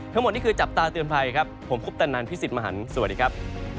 ทั้งหมดนี่คือจับตาเตือนภัยครับผมคุปตนันพี่สิทธิ์มหันฯสวัสดีครับ